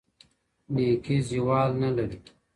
¬ نېکي زوال نه لري.